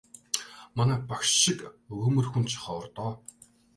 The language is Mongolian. Манай багш шиг өгөөмөр хүн ч ховор доо.